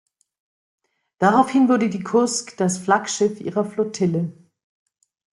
Daraufhin wurde die "Kursk" das Flaggschiff ihrer Flottille.